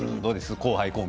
後輩コンビ。